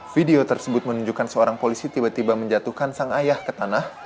video tersebut menunjukkan seorang polisi tiba tiba menjatuhkan sang ayah ke tanah